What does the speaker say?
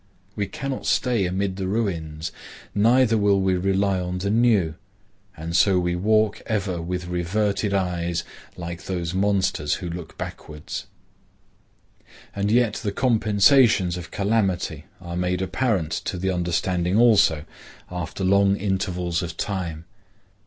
We cannot stay amid the ruins. Neither will we rely on the new; and so we walk ever with reverted eyes, like those monsters who look backwards. And yet the compensations of calamity are made apparent to the understanding also, after long intervals of time.